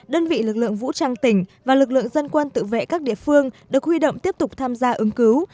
đơn vị lực lượng vũ trang tỉnh và lực lượng dân quân tự vệ các địa phương được huy động tiếp tục tham gia ứng cứu